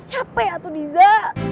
capek atuh diza